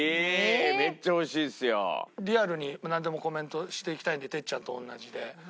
リアルになんでもコメントしていきたいので哲ちゃんと同じで。